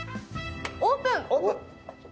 オープン！